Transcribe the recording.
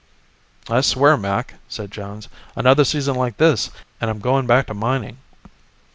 "I swear, Mac," said Jones, "another season like this, and I'm going back to mining."